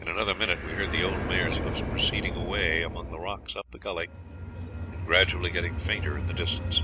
In another minute we heard the old mare's hoofs proceeding away among the rocks up the gully, and gradually getting fainter in the distance.